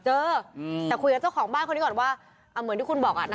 อืมแต่คุยกับเจ้าของบ้านคนนี้ก่อนว่าเหมือนที่คุณบอกอ่ะนะ